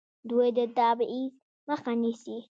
دوی د تبعیض مخه نیسي.